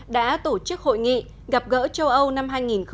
đã tổ chức hội nghị gặp gỡ châu âu năm hai nghìn một mươi tám